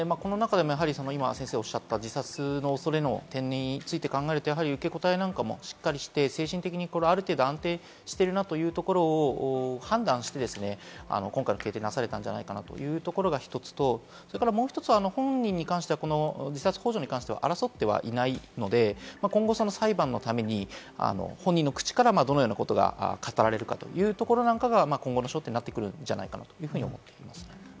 先生おっしゃったように、自殺の恐れの点について考えると、受け答えもしっかりして精神的にある程度、安定しているなというところを判断して今回の決定がなされたんじゃないかというのが一つと、もう１つは本人に関して自殺ほう助に関して争ってはいないので、今後、裁判のために本人の口からどのようなことが語られるかというところなんかが今後の焦点になってくるんじゃないかと思います。